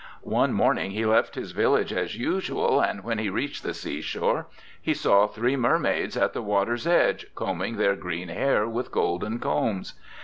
'One morning he left his village as usual, and when he reached the sea shore he saw three mermaids at the water's edge combing their green hair with golden combs.